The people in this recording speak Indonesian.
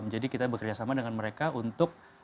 jadi kita bekerjasama dengan mereka untuk